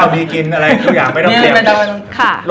มีอะไรประดอง